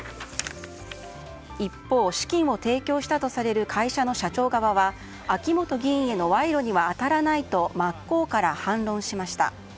一方、資金を提供したとされる会社の社長側は秋本議員への賄賂には当たらないと真っ向から反論しました。